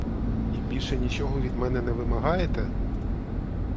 І більше нічого від мене не вимагаєте?